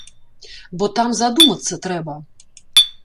Бо там задумацца трэба.